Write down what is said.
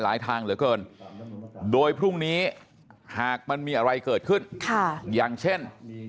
ทางเหลือเกินโดยพรุ่งนี้หากมันมีอะไรเกิดขึ้นอย่างเช่น